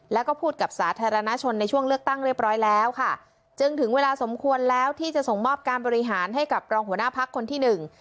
แล้วก็พูดกับสาธารณชนในช่วงเลือกตั้งเรียบร้อยแล้วค่ะจึงถึงเวลาสมควรแล้วที่จะส่งมอบการบริหารให้กับรองหัวหน้าพักคนที่หนึ่ง